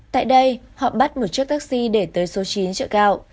tại đây họ bắt một chiếc taxi để tới số chín chợ gạo